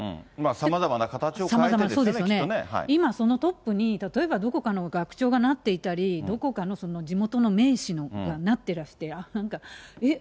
さまざまな形を変えてですよね、今、そのトップに、例えばどこかの学長がなっていたり、どこかの地元の名士がなってらして、えっ？